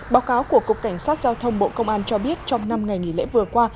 báo cáo của cục cảnh sát giao thông bộ công an cho biết trong năm ngày nghỉ lễ vừa qua